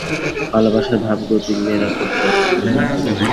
ভালোবাসার ভাবগতিক মেয়েরা খুব চট করিয়া বোঝে।